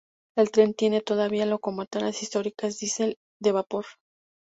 El tren tiene todavía locomotoras históricas diesel y de vapor.